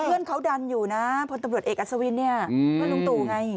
เพื่อนเขาดันอยู่นะพตเอกอัศวินพลุงตู่ไง